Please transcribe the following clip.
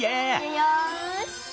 よし！